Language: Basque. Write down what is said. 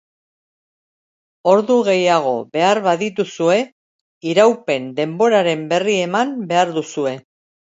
Ordu gehiago behar badituzue, iraupen-denboraren berri eman behar duzue.